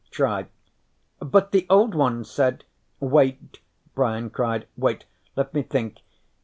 Try " "But the Old Ones said " "Wait!" Brian cried. "Wait! Let me think.